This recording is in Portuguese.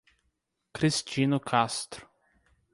Cristino Castro